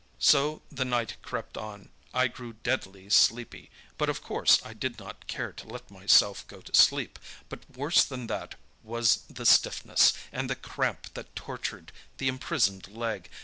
"So the night crept on. I grew deadly sleepy, but of course I did not care to let myself go to sleep; but worse than that was the stiffness, and the cramp that tortured the imprisoned leg.